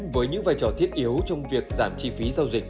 với những vai trò thiết yếu trong việc giảm chi phí giao dịch